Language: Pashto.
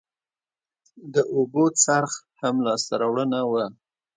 د اوبو څرخ هم لاسته راوړنه وه